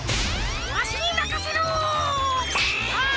わしにまかせろっ！